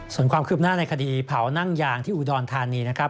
ส่วนความคืบหน้าในคดีเผานั่งยางที่อุดรธานีนะครับ